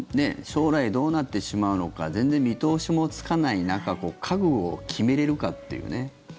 将来、どうなってしまうのか全然見通しもつかない中覚悟を決めれるかっていうね。